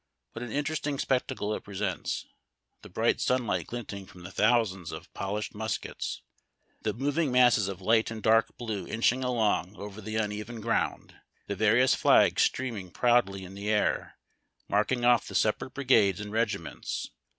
What an interesting spectacle it presents, the bright sunlight glint ing from the thousands of polished muskets, the moving masses of light and dark blue inching along over the uneven ground, the various flags streaming proudly in the air, marking oft' the separate brigades and regiments.